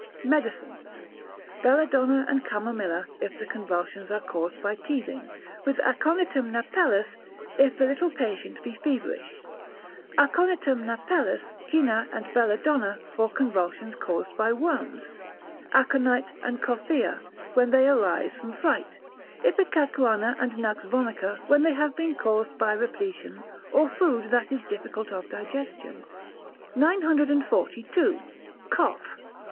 Medicines. Belladonna and Chamomilla, if the convulsions are caused by teething, with Aconitum napellus if the little patient be feverish; Aconitum napellus, Cina, and Belladonna, for convulsions caused by worms; Aconite and Coffoea, when they arise from fright; Ipecacuanha and Nux vomica, when they have been caused by repletion, or food that is difficult of digestion. 942. Cough.